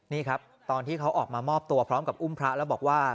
นี่ครับตอนที่เขาออกมามอบตัวพร้อมกับอุ้มพระแล้วบอกว่า